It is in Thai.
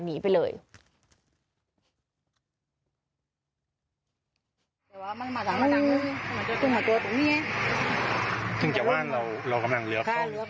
มีตาเล็บทองมั้ย